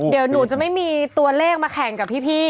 เดี๋ยวหนูจะไม่มีตัวเลขมาแข่งกับพี่